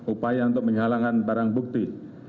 upaya untuk menghalangkan barang bukti